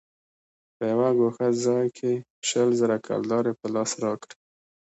په يوه گوښه ځاى کښې يې شل زره کلدارې په لاس راکړې.